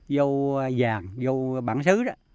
dâu vàng dâu bản xứ đó